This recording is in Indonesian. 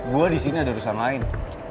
gue di sini ada urusan lain